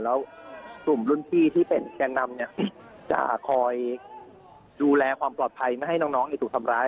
แล้วกลุ่มรุ่นพี่ที่เป็นแกนนำเนี่ยจะคอยดูแลความปลอดภัยไม่ให้น้องถูกทำร้าย